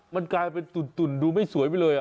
มันกลายเป็นตุ่นดูไม่สวยไปเลย